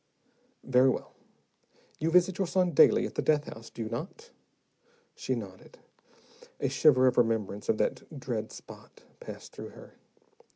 "Very well. You visit your son daily at the death house, do you not?" She nodded; a shiver of remembrance of that dread spot passed through her.